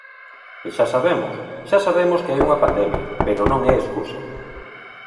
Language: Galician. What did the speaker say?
E xa sabemos, xa sabemos que hai unha pandemia, pero non é escusa.